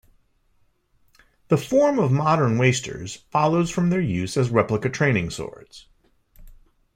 The form of modern wasters follows from their use as replica training swords.